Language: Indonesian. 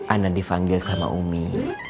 anak divanggil sama umi